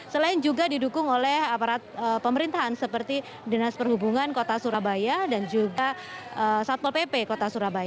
selain juga didukung oleh aparat pemerintahan seperti dinas perhubungan kota surabaya dan juga satpol pp kota surabaya